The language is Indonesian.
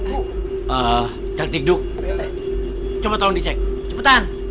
uh dakdikduk coba tolong dicek cepetan